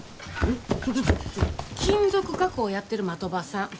金属加工やってる的場さん。